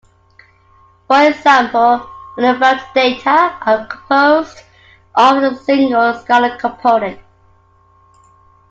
For example, univariate data are composed of a single scalar component.